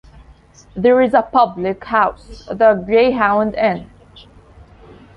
There is a public house, The Greyhound Inn.